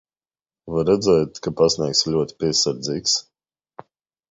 Var redzēt, ka pastnieks ir ļoti piesardzīgs.